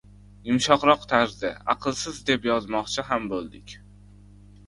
Yumshoqroq tarzda «aqlsiz» deb yozmoqchi ham bo‘ldik.